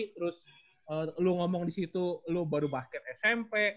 terus lu ngomong disitu lu baru basket smp